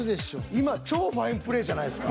今超ファインプレ―じゃないですか。